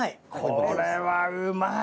これはうまい！